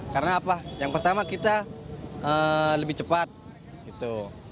karena apa yang pertama kita lebih cepat gitu